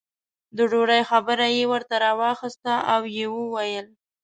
د ډوډۍ خبره یې ورته راواخسته او یې وویل.